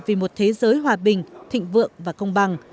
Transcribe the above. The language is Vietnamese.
vì một thế giới hòa bình thịnh vượng và công bằng